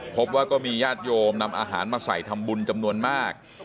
พบว่าก็มีญาติโยมนำอาหารมาใส่ทำบุญจำนวนมาก